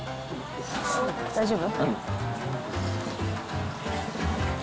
大丈夫？